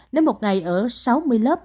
nếu một ngày ở sáu mươi lớp